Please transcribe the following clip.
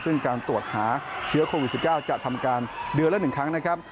ซึ่งการตรวจหาเชื้อโควิด๑๙จะทำการเดือนละ๑ครั้งนะครับ